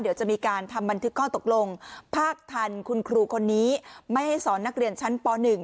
เดี๋ยวจะมีการทำบันทึกข้อตกลงภาคทันคุณครูคนนี้ไม่ให้สอนนักเรียนชั้นป๑